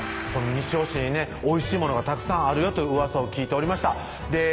西尾市にねおいしいものがたくさんあるよといううわさを聞いておりました